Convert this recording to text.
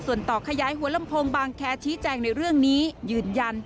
ส่วนต่อขยายหัวลำโพงบางแคร์ชี้แจงในเรื่องนี้ยืนยัน